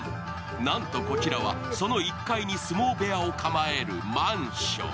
なんとこちらは、その１階に相撲部屋を構えるマンション。